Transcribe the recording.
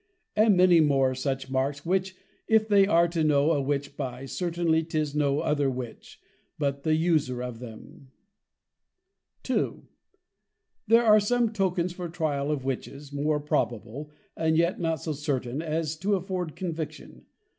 And many more such Marks, which if they are to know a Witch by, certainly 'tis no other Witch, but the User of them. 2. There are some Tokens for the Trial of Witches, more probable, and yet not so certain as to afford Conviction.